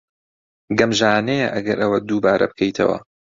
گەمژانەیە ئەگەر ئەوە دووبارە بکەیتەوە.